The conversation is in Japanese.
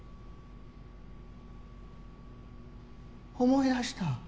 思い出した。